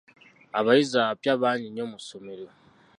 Abayizi abapya bangi nnyo mu ssomero.